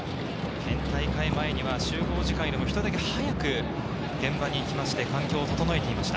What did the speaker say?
県大会前には集合時間よりも１人だけ早く現場に行きまして、環境を整えていました。